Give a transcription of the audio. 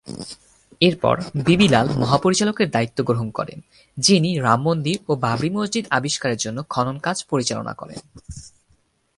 এরপর বি বি লাল মহাপরিচালকের দায়িত্ব গ্রহণ করেন যিনি রাম মন্দির ও বাবরি মসজিদ আবিষ্কারের জন্য খনন কাজ পরিচালনা করেন।